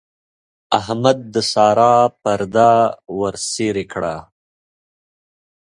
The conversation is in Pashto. احمد د سارا پرده ورڅېرې کړه.